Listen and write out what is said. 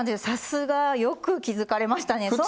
さすが。よく気付かれましたね。